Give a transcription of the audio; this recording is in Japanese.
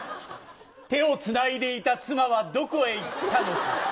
手をつないでいた妻はどこへ行ったのか。